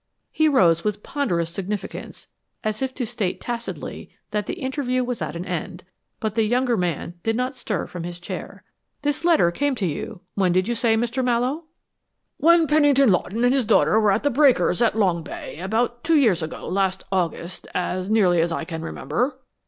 He rose with ponderous significance as if to state tacitly that the interview was at an end, but the younger man did not stir from his chair. "This letter came to you when did you say, Mr. Mallowe?" "When Pennington Lawton and his daughter were at The Breakers at Long Bay, about two years ago last August, as nearly as I can remember."